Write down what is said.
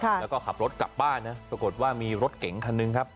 แล้วก็ขับรถกลับบ้านนะปรากฏว่ามีรถเก๋งคันหนึ่งครับ